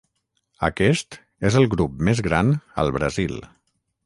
Aquest és el grup més gran al Brasil.